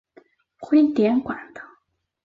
徽典馆的。